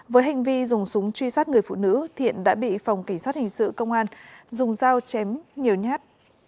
với hành vi dùng súng truy sát người phụ nữ thiện đã bị phòng cảnh sát hình sự công an dùng dao chém nhiều nhát